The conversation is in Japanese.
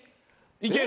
いける？